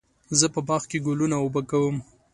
زه په باغ کې ګلونه اوبه کوم.